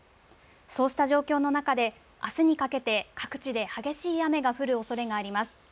そうした状況の中で、あすにかけて各地で激しい雨が降るおそれがあります。